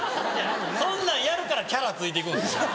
そんなんやるからキャラついて行くんですよ。